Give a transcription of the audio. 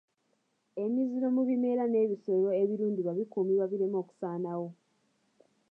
Emiziro mu bimera n’ebisolo ebirundibwa bikuumibwe bireme okusaanawo.